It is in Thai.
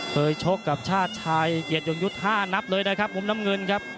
ชกกับชาติชัยเกียรติยงยุทธ์๕นับเลยนะครับมุมน้ำเงินครับ